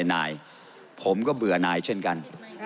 นายผมก็เบื่อนายเช่นกัน